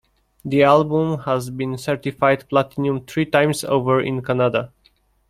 The album has been certified platinum three times over in Canada.